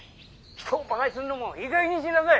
人をバカにするのもいいかげんにしなさい！